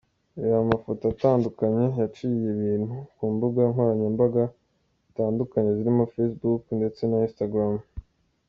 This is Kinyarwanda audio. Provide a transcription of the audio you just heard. Reba amafoto atandukanye yyaciye ibintu ku mbuga nkoranyambaga zitandukanye zirimo Facebook , ndetse na Instagram .